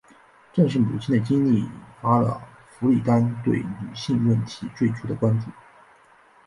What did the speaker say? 正是母亲的经历引发了弗里丹对女性问题最初的关注。